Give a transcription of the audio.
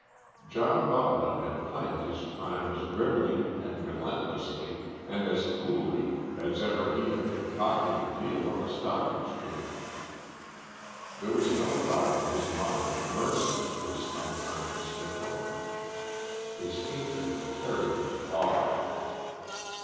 John Bodman had planned his crime as grimly and relentlessly, and as coolly, as ever he had concocted a deal on the Stock Exchange. There was no thought in his mind of mercy for his unconscious victim. His hatred had carried him far.